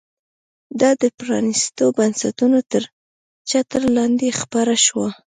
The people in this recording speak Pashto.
دا د پرانیستو بنسټونو تر چتر لاندې خپره شوه.